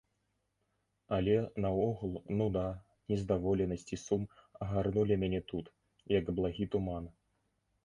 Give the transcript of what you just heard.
Але, наогул, нуда, нездаволенасць і сум агарнулі мяне тут, як благі туман.